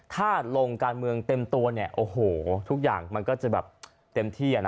ถ้าลงการเมืองเต็มตัวเนี่ยโอ้โหทุกอย่างมันก็จะแบบเต็มที่อ่ะนะ